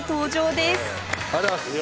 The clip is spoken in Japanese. ありがとうございます。